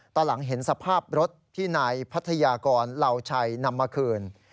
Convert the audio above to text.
ตอนหลังเห็นสภาพรถที่นายพัทยากรเหล่าชัยนำมาคืน